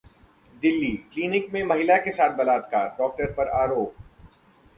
Delhi clinic में महिला के साथ बलात्कार, डॉक्टर पर आरोप